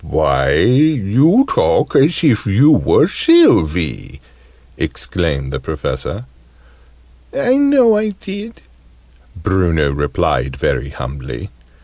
"Why, you talk as if you were Sylvie!" exclaimed the Professor. "I know I did," Bruno replied very humbly.